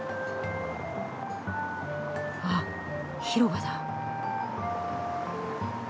あっ広場だ。